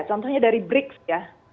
contohnya dari brics ya